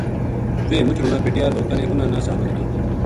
ویہ مُچ رُنا پِٹیا لوکاں نے اُنھاں نا سہارو دَتو